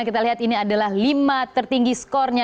kita lihat ini adalah lima tertinggi skornya